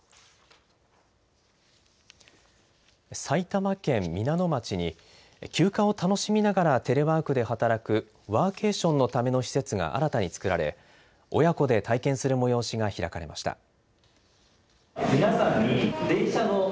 埼玉県皆野町に休暇を楽しみながらテレワークで働くワーケーションのための施設が新たに造られ親子で体験する催しが開かれました。